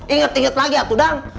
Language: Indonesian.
ingat ingat lagi ya tuh dang